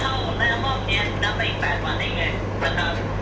เด็กโหยพร้อมตอนนั้นคุณจะเข้ามาเอง